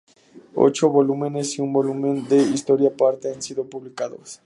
Ocho volúmenes y un volumen de una historia aparte han sido publicados.